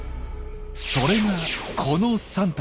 それがこの３体。